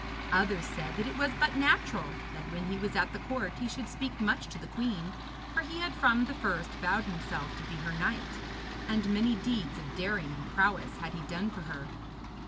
Others said that it was but natural that when he was at the court he should speak much to the queen, for he had from the first vowed himself to be her knight, and many deeds of daring and prowess had he done for her.